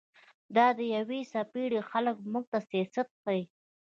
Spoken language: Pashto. دا د يوې څپېړي خلق موږ ته سياست ښيي